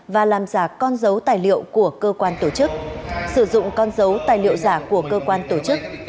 và làm giả con dấu tài liệu của cơ quan tổ chức sử dụng con dấu tài liệu giả của cơ quan tổ chức